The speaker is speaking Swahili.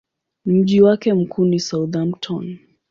Mji wake mkuu ni Southampton.